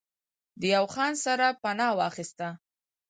د يو خان سره پناه واخسته